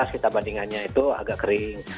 dua ribu delapan belas kita bandingannya itu agak kering